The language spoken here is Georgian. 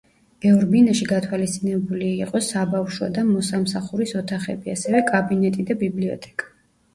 ბევრ ბინაში გათვალისწინებული იყო საბავშვო და მოსამსახურის ოთახები, ასევე კაბინეტი და ბიბლიოთეკა.